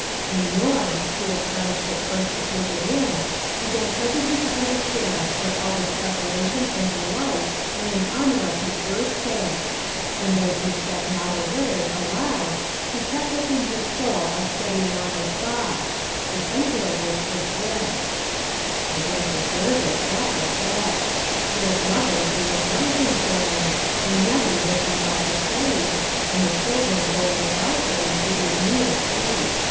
And Norm, too astonished at first to take it in, began presently to understand that all this prepara tion and delight were in honor of his birthday ! And though he said not a word, aloud, he kept up in las soul a steady line of thought ; the cen tre of which was this :" I don't deserve it, that's a fact ; there's mother doing everything for me, and Nettie working like a slave, and the children going 408 LITTLE FISHERS : ANT) THEIR NETS. without things to give me a treat.